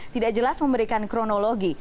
tidak jelas memberikan kronologi